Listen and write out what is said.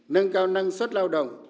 nâng cao năng suất lao động